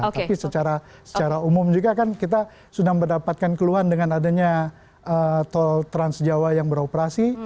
tapi secara umum juga kan kita sudah mendapatkan keluhan dengan adanya tol transjawa yang beroperasi